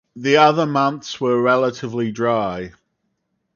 The other months are relatively dry.